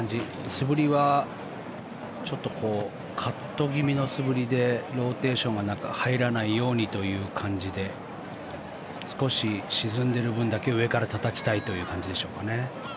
素振りはちょっと、カット気味の素振りでローテーションは入らないようにという感じで少し沈んでる分だけ上からたたきたいという感じでしょうかね。